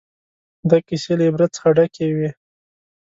دا کیسې له عبرت څخه ډکې وې.